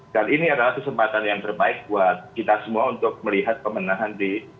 dan ini adalah kesempatan yang terbaik buat kita semua untuk melihat pemenahan